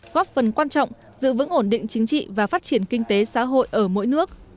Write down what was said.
góp phần quan trọng giữ vững ổn định chính trị và phát triển kinh tế xã hội ở mỗi nước